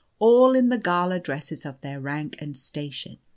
all in the gala dresses of their rank and station.